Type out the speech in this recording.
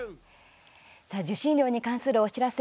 受信料に関するお知らせ